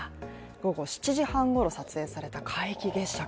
午後７時半ごろ、撮影された皆既月食。